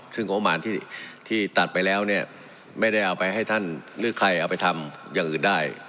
ซึ่งงบประมาณที่ตัดไปแล้วเนี่ยไม่ได้เอาไปให้ท่านหรือใครเอาไปทำอย่างอื่นได้